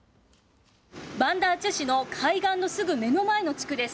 バンダアチェ市の海岸のすぐ目の前の地区です。